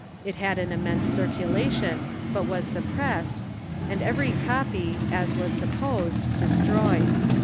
It had an immense circulation, but was suppressed, and every copy, as was sup posed, destroyed.